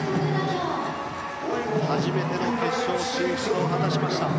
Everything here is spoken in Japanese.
初めての決勝進出を果たしました。